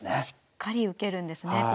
しっかり受けるんですね